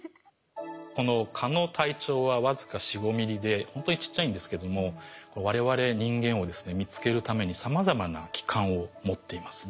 この蚊の体長は僅か４５ｍｍでほんとにちっちゃいんですけども我々人間をですね見つけるためにさまざまな器官を持っています。